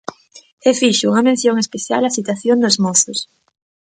E fixo unha mención especial á situación dos mozos.